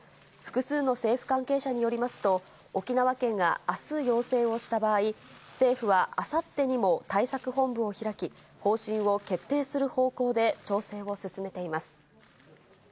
複数の政府関係者によりますと、沖縄県があす要請をした場合、政府はあさってにも対策本部を開き、方針を決定する方向で調整を進めています。